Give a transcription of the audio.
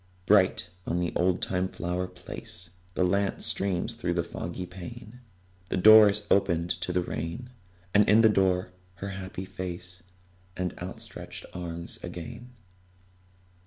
Bright on the oldtime flower place The lamp streams through the foggy pane; The door is opened to the rain: And in the door her happy face And outstretched arms again.